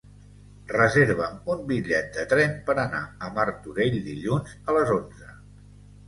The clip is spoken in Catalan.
Reserva'm un bitllet de tren per anar a Martorell dilluns a les onze.